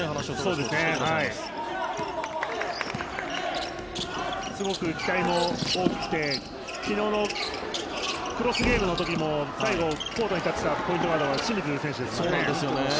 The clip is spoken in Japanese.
すごく期待も大きくて昨日のクロスゲームの時も最後、コートに立っていたポイントガードは清水選手でしたからね。